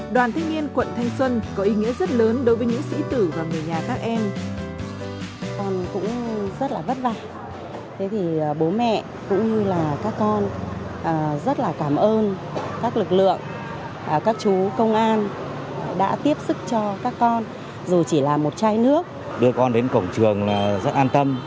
đoàn thanh niên quận thanh xuân có ý nghĩa rất lớn đối với những sĩ tử và người nhà các em